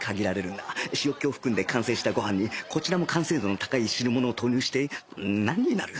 塩っ気を含んで完成したご飯にこちらも完成度の高い汁物を投入してなんになる？